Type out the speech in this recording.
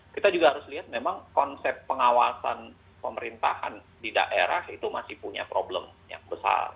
kita juga harus lihat memang konsep pengawasan pemerintahan di daerah itu masih punya problem yang besar